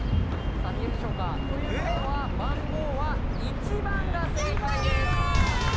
見えるでしょうか？ということは、番号は１番が正解です。